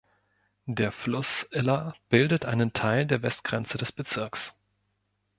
Der Fluss Iller bildet einen Teil der Westgrenze des Bezirks.